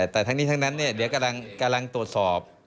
แต่ทั้งนี้ทั้งนั้นเดี๋ยวกำลังตรวจสอบ